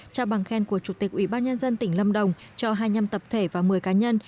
trao bằng khen của chủ tịch ủy ban nhân dân tỉnh lâm đồng cho hai mươi năm tập thể và một mươi cá nhân